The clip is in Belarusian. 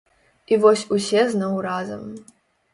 І вось усе зноў разам.